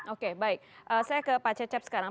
oke baik saya ke pak cecep sekarang